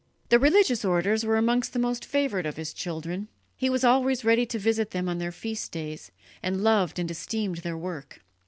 The religious orders were amongst the most favoured of his children; he was always ready to visit them on their feast days, and loved and esteemed their work.